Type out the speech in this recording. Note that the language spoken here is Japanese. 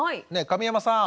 神山さん。